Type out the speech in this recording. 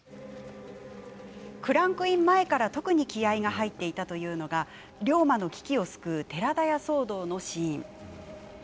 クランクイン前から、特に気合いが入っていたというのが龍馬の危機を救う寺田屋騒動のシーン。